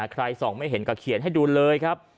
ใครส่องไม่เห็นก็เขียนให้ดูเลยครับ